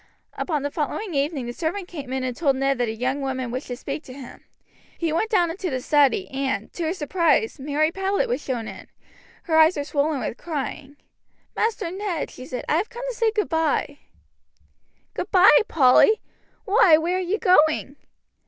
Upon the following evening the servant came in and told Ned that a young woman wished to speak to him. He went down into the study, and, to his surprise, Mary Powlett was shown in. Her eyes were swollen with crying. "Master Ned," she said, "I have come to say goodby." "Good by, Polly! Why, where are you going?"